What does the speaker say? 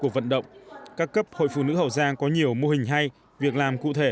cuộc vận động các cấp hội phụ nữ hậu giang có nhiều mô hình hay việc làm cụ thể